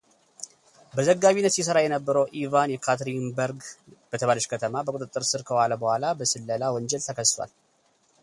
በዘጋቢነት ሲሰራ የነበረው ኢቫን የካተሪንበርግ በተባለች ከተማ በቁጥጥር ስር ከዋለ በኋላ በስለላ ወንጀል ተከሷል።